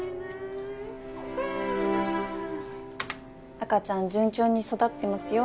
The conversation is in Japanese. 赤ちゃん順調に育ってますよ